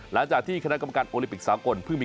หลังจากที่คณะกรรมการโอลิปิกสาวงคลื่นเมียพธรรมนี้